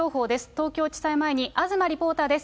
東京地裁前に東リポーターです。